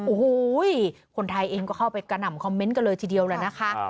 โอ้โหคนไทยเองก็เข้าไปกระหน่ำคอมเมนต์กันเลยทีเดียวแหละนะคะ